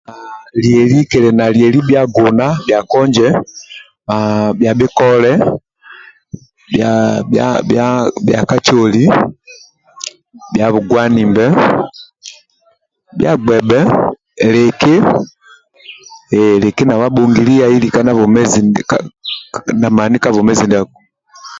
Lieli kili na lieli bhia guna bhia konje aah bha bhikole bhia kacoli bhia bugwanimbe bhia gbebhe liki eeh liki nau amgbokiliani andulu olike na mani ka bwomezi ndiako